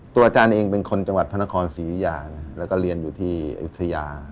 อาจารย์เองเป็นคนจังหวัดพระนครศรีริยาแล้วก็เรียนอยู่ที่อยุธยา